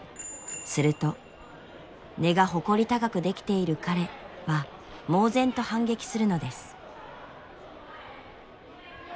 すると「根が誇り高くできている彼」は猛然と反撃するのです。